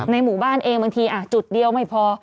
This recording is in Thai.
หมู่บ้านเองบางทีจุดเดียวไม่พอ